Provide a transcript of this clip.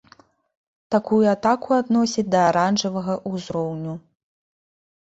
Такую атаку адносяць да аранжавага ўзроўню.